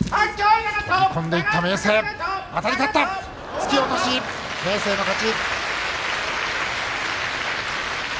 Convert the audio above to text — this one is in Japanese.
突き落とし、明生の勝ち。